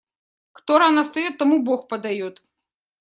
Кто рано встаёт, тому Бог подаёт.